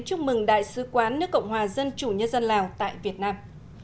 chúc mừng đại sứ quán nước cộng hòa dân chủ nhân dân lào tại việt nam